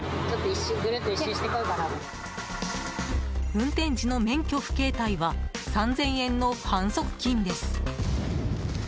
運転時の免許不携帯は３０００円の反則金です。